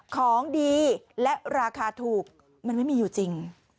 ของดีและราคาถูกมันไม่มีอยู่จริง